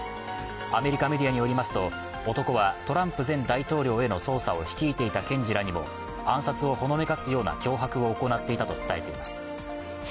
アメリカメディアによりますと、男はトランプ前大統領への捜査を率いていた検事らにも暗殺をほのめかすような脅迫を行っていたと伝えています。